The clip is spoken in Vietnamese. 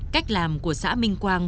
cách làm của xã minh quang